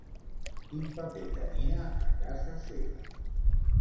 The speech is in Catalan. Quin paper tenia a casa seva?